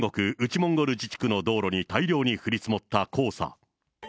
モンゴル自治区の道路に大量に降り積もった黄砂。